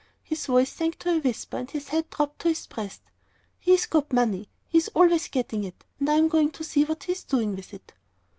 His voice sank to a whisper, and his head dropped to his breast. "He's got money he's always getting it, and I'm going to see what he's doing with it."